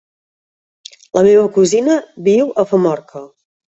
La meva cosina viu a Famorca.